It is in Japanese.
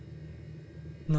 何？